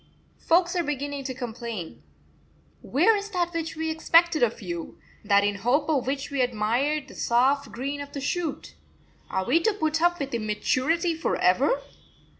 Folk are beginning to complain: "Where is that which we expected of you that in hope of which we admired the soft green of the shoot? Are we to put up with immaturity for ever?